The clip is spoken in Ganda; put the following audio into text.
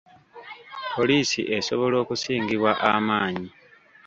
Poliisi esobola okusingibwa amaanyi?